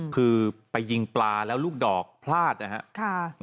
คือไปยิงปลาแล้วลูกดอกพลาดนะครับ